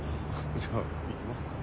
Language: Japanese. じゃあ行きますか。